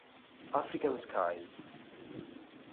African Skies